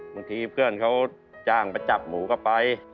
บางทีเพื่อนเขาจ้างไปจับหมูก็ไป